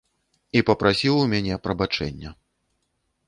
І папрасіў у мяне прабачэння.